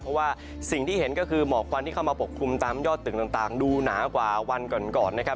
เพราะว่าสิ่งที่เห็นก็คือหมอกควันที่เข้ามาปกคลุมตามยอดตึกต่างดูหนากว่าวันก่อนก่อนนะครับ